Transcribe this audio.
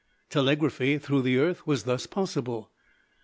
Telegraphy through the earth was thus possible.